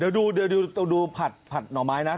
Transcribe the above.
เดี๋ยวดูเดี๋ยวดูตัวดูผัดผัดหน่อไม้น่ะอ่า